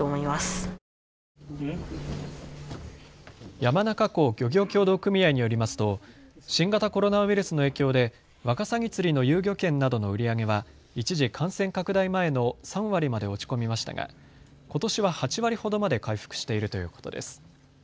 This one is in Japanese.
山中湖漁業協同組合によりますと新型コロナウイルスの影響でワカサギ釣りの遊漁券などの売り上げは一時、感染拡大前の３割まで落ち込みましたがことしは８割ほどまで回復しているということです。